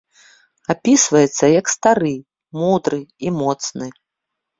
Апісваецца як стары, мудры і моцны.